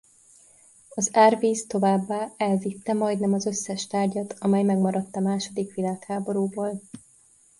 Az árvíz továbbá elvitte majdnem az összes tárgyat amely megmaradt a második világháborúból.